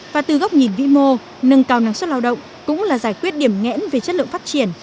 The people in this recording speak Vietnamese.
và từ góc nhìn vĩ mô nâng cao năng suất lao động cũng là giải quyết điểm nghẽn về chất lượng phát triển